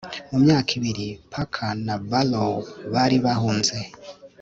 mu myaka ibiri, parker na barrow bari bahunze